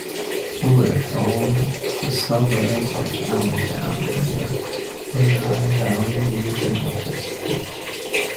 Fullerton is a suburb of Allentown, in the Lehigh Valley region of the state.